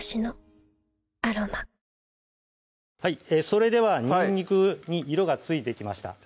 それではにんにくに色がついてきました